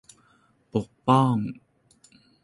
ปกป้อง